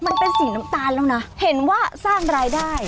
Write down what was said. มันเป็นสีน้ำตาลแล้วนะเห็นว่าสร้างรายได้